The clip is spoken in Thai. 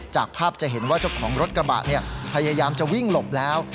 จากภาพจะเห็นว่าเจ้าของรถกระบะพยายามจะวิ่งหลบแล้ว